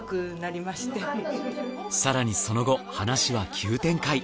更にその後話は急展開。